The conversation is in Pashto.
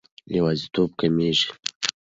یوازیتوب کمېږي.